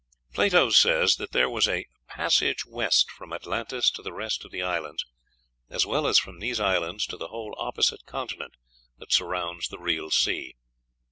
Plato says that there was a "passage west from Atlantis to the rest of the islands, as well as from these islands to the whole opposite continent that surrounds that real sea."